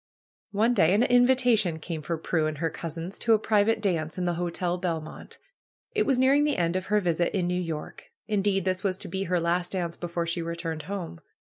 One day an invitation came for Prudence and her cousins to a private dance in the Hotel Belmont. It was nearing the end of her visit in New York. In deed, this was to be her last dance before she returned home.